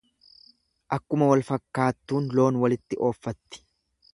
Akkuma walfakkaattuun loon walitti ooffatti.